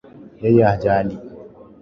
Yeye hajali